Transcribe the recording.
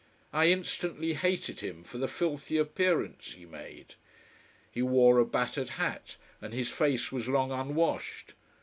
I instantly hated him for the filthy appearance he made. He wore a battered hat and his face was long unwashed.